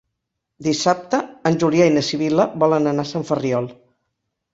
Dissabte en Julià i na Sibil·la volen anar a Sant Ferriol.